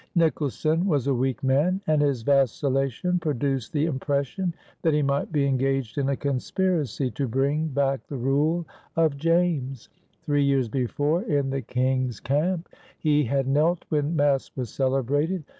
Nicholson was a weak man, and his vacillation produced the impression that he might be engaged in a conspiracy to bring back the rule of James. Three years before, in the King's camp, he had knelt when Mass was celebrated.